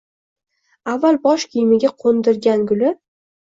Avval bosh kiyimiga qo‘ndirgan guli